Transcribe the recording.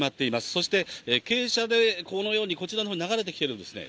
そして、傾斜でこのように、こちらのほうに流れてきてるんですね。